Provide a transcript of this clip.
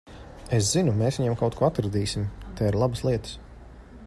Es zinu, mēs viņiem kaut ko atradīsim. Te ir labas lietas.